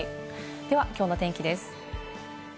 ではきょうの天気です。